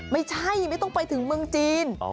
ไม่ใช่ไม่ต้องไปถึงเมืองจีน